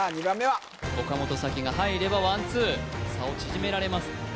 ２番目は岡本沙紀が入ればワンツー差を縮められます